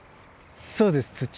そうです土。